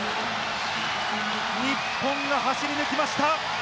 日本が走り抜きました！